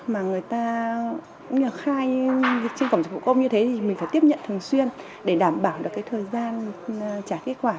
mà người ta khai dịch vụ công như thế thì mình phải tiếp nhận thường xuyên để đảm bảo được thời gian trả kết quả